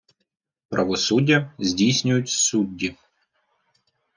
Правосуддя здійснюють судді.